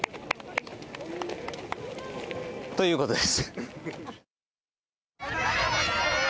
ということです。